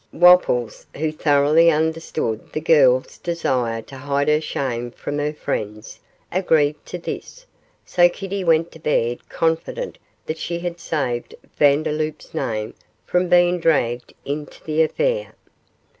Wopples, who thoroughly understood the girl's desire to hide her shame from her friends, agreed to this, so Kitty went to bed confident that she had saved Vandeloup's name from being dragged into the affair.